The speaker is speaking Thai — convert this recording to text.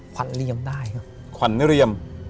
ขวัญเรียมได้ครับ